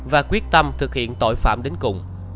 và quyết tâm thực hiện tội phạm đến cùng